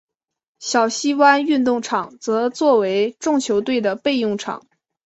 小西湾运动场则作为众球队的备用场。